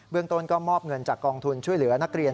เรื่องต้นก็มอบเงินจากกองทุนช่วยเหลือนักเรียน